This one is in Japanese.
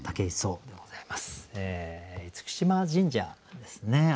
厳島神社ですね